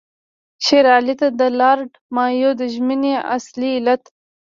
شېر علي ته د لارډ مایو د ژمنې اصلي علت.